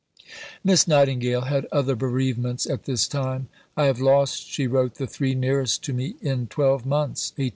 '" Miss Nightingale had other bereavements at this time. "I have lost," she wrote, "the three nearest to me in twelve months" (1893 94).